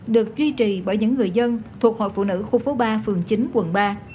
được duy trì bởi những người dân thuộc hội phụ nữ khu phố ba phường chín quận ba